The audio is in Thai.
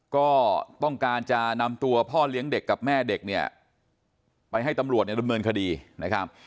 ก็ต้องการจะนำตัวพ่อเลี้ยงเด็กกับแม่เด็กเนี่ยไปให้ตำรวจเนี่ยดำเนินคดีนะครับ